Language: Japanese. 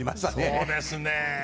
そうですね。